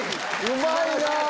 うまいなぁ！